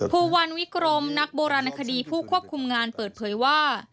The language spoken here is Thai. วันวิกรมนักโบราณคดีผู้ควบคุมงานเปิดเผยว่า